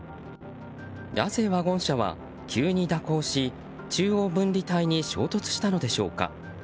なぜ、ワゴン車は急に蛇行し中央分離帯に衝突したのでしょうか。